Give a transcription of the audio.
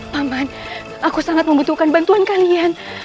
tambahan aku sangat membutuhkan bantuan kalian